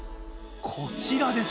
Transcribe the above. こちらです。